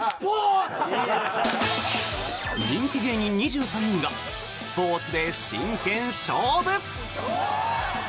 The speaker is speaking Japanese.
人気芸人２３人がスポーツで真剣勝負！